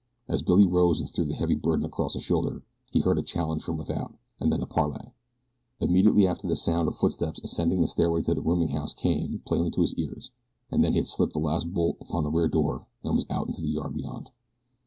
As Billy rose and threw the heavy burden across a shoulder he heard a challenge from without, and then a parley. Immediately after the sound of footsteps ascending the stairway to the rooming house came plainly to his ears, and then he had slipped the last bolt upon the rear door and was out in the yard beyond.